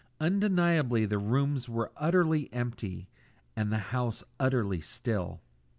Undeniably the rooms were utterly empty, and the house utterly still.